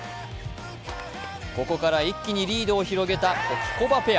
ここから一気にリードを広げたホキコバペア。